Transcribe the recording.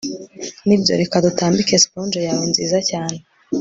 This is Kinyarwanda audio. Nibyo reka dutambike sponge yawe nziza cyane